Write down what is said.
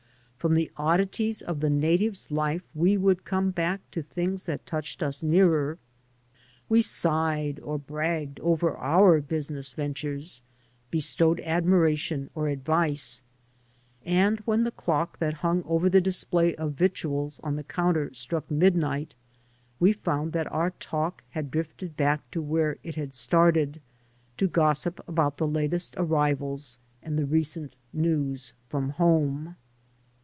From the oddities of the native's life we would come back to things that touched us nearer. We sighed or bragged over our business ventures, bestowed admiration or advice; and when the dock that himg over the display of victuals on the counter struck midnight we found that om* talk had drifted back to where it had started — ^to gossip about the latest arrivals and the recent news from home.